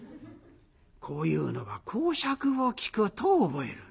こういうのは講釈を聴くと覚える。